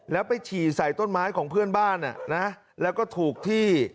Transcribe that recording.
แล้วไปฉี่ใส่ต้นไม้ของเพื่อนบ้านแล้วก็ถูกที่